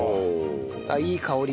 あっいい香り。